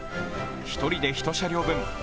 １人で１車両分、８５